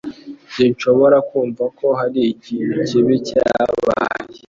Sinshobora kumva ko hari ikintu kibi cyabaye